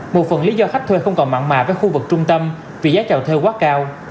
một phần lý do khách thuê không còn mạng mà với khu vực trung tâm vì giá trào thuê quá cao